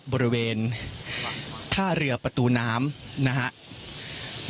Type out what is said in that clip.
บริเวณท่าเรือประตูน้ำนะครับ